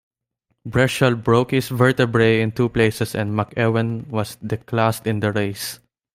Breschel broke his vertebrae in two places and McEwen was de-classed in the race.